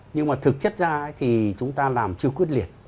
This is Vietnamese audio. nhưng mà thực chất ra thì chúng ta làm chưa quyết liệt